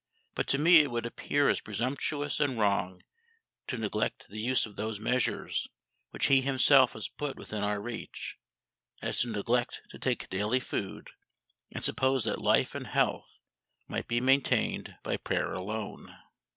But to me it would appear as presumptuous and wrong to neglect the use of those measures which He Himself has put within our reach, as to neglect to take daily food, and suppose that life and health might be maintained by prayer alone.